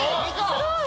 すごい！